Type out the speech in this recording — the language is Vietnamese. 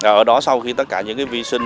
ở đó sau khi tất cả những vi sinh